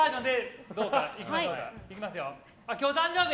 今日、誕生日？